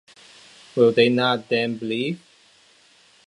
Will they not then believe?